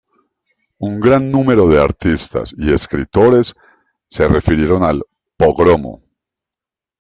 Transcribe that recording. Un gran número de artistas y escritores se refirieron al pogromo.